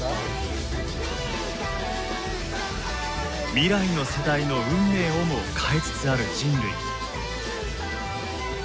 未来の世代の運命をも変えつつある人類。